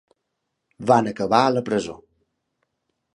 Van acabar a la presó.